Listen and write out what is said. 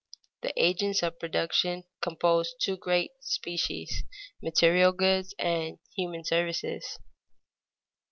_The agents of production compose two great species, material goods and human services.